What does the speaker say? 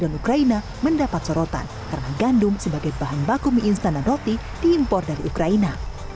dan ukraina mendapat sorotan karena gandum sebagai bahan baku mie instan dan roti diimpor dari ukraina